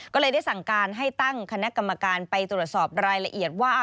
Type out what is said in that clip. ก็เลยได้สั่งการให้ตั้งคณะกรรมการไปตรวจสอบรายละเอียดว่า